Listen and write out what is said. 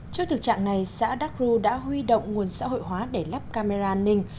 trong thực trạng này xã đắc rưu đã huy động nguồn xã hội hóa để lắp camera an ninh